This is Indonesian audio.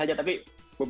tapi beberapa orang juga